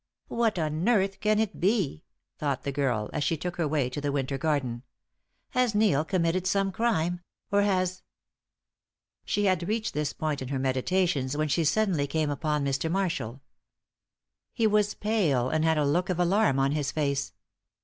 "What on earth can it be?" thought the girl, as she took her way to the winter garden. "Has Neil committed some crime, or has " She had reached this point in her meditations when she suddenly came upon Mr. Marshall. He was pale, and had a look of alarm on his face.